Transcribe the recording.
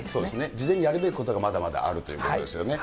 事前にやるべきことがまだまだあるということですね。